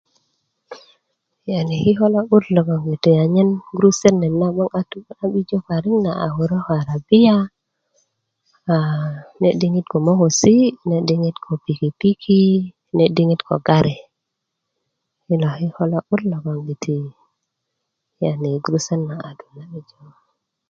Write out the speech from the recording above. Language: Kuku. yani kiko' lo 'but logoŋgiti anyen gurusutöt neet́ na a tu na'bijo parik na a warö ko arabiya aa nee' diŋit ko mokosi' nee' diŋit ko pikipiki nee diŋit ko garii i na kiko lo'but logoŋgiti a gurusutöt na a tu na'bijo na